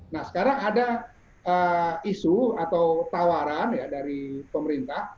nah sekarang ada isu atau tawaran ya dari pemerintah